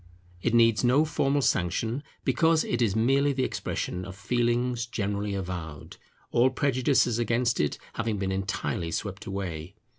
It needs no formal sanction, because it is merely the expression of feelings generally avowed, all prejudices against it having been entirely swept away.